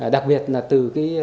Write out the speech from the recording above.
đặc biệt là từ